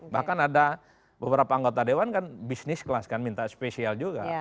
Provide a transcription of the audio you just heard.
bahkan ada beberapa anggota dewan kan bisnis kelas kan minta spesial juga